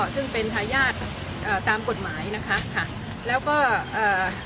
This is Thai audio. ซึ่งเป็นทายาทอ่าตามกฎหมายนะคะค่ะแล้วก็เอ่อ